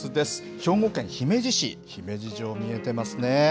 兵庫県姫路市、姫路城見えてますね。